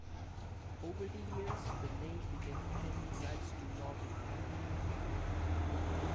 Over the years the name became anglicised to "Lough Inill".